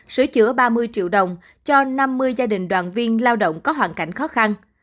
sửa chữa ba mươi triệu đồng cho năm mươi gia đình đoàn viên lao động có hoàn cảnh khó khăn